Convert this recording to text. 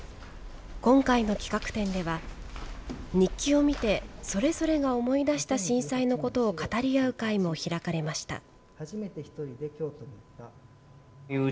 今回の企画展では、日記を見て、それぞれが思い出した震災のことを語り合う会も開かれました。